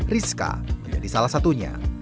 riska menjadi salah satunya